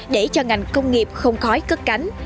để cho ngành công nghiệp không khói cất cánh